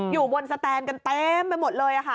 อยู่บนสแตนกันเต็มไปหมดเลยค่ะ